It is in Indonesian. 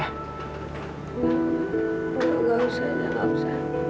enggak usah enggak usah